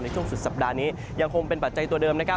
ช่วงสุดสัปดาห์นี้ยังคงเป็นปัจจัยตัวเดิมนะครับ